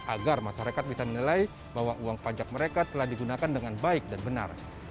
agar masyarakat bisa menilai bahwa uang pajak mereka telah digunakan dengan baik dan benar